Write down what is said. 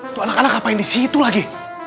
tuh anak anak ngapain disitu lagi